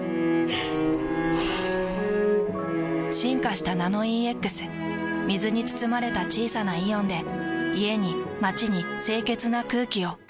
ふぅ進化した「ナノイーＸ」水に包まれた小さなイオンで家に街に清潔な空気を。